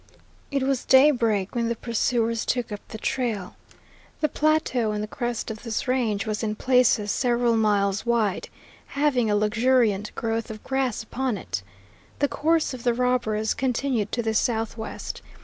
It was daybreak when the pursuers took up the trail. The plateau on the crest of this range was in places several miles wide, having a luxuriant growth of grass upon it. The course of the robbers continued to the southwest.